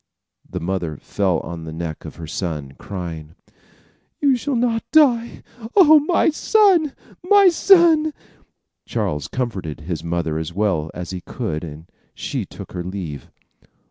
The mother fell on the neck of her son, crying: "You shall not die! Oh, my son! my son!" Charles comforted his mother as well as he could, and she took her leave.